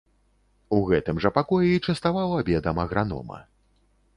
У гэтым жа пакоі частаваў абедам агранома.